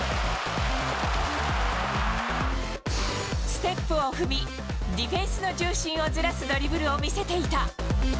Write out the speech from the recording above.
ステップを踏み、ディフェンスの重心をずらすドリブルを見せていた。